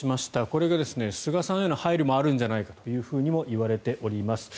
これが菅さんへの配慮もあるんじゃないかともいわれております。